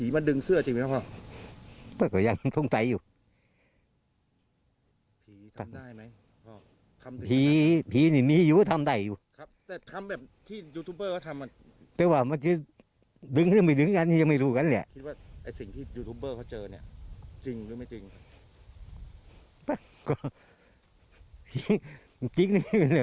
มันจริงเลยมันจริงเหลือไลค์กู